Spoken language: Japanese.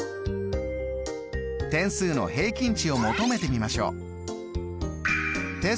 点数の平均値を求めてみましょう。